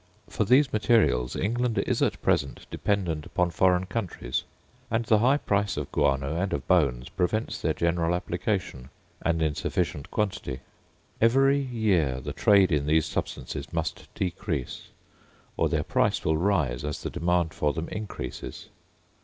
For these materials England is at present dependent upon foreign countries, and the high price of guano and of bones prevents their general application, and in sufficient quantity. Every year the trade in these substances must decrease, or their price will rise as the demand for them increases.